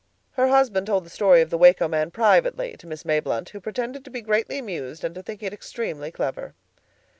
Her husband told the story of the Waco man privately to Miss Mayblunt, who pretended to be greatly amused and to think it extremely clever.